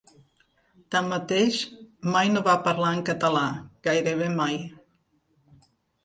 Tanmateix mai no va parlar en català gairebé mai.